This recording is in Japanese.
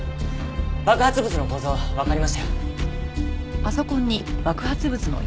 爆発物の構造わかりましたよ。